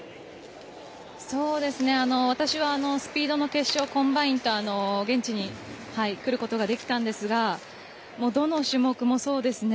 スピードの決勝コンバインと、現地に来ることができたんですがどの種目もそうですね。